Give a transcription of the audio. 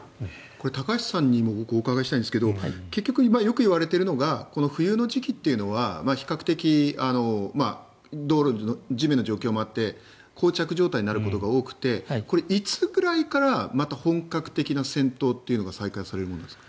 高橋さんにお伺いしたいんですけど結局よくいわれているのがこの冬の時期というのは比較的、地面の状況もあってこう着状態になることが多くてこれ、いつぐらいからまた本格的な戦闘というのが再開されるんですか？